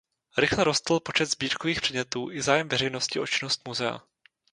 Rychle rostl počet sbírkových předmětů i zájem veřejnosti o činnost muzea.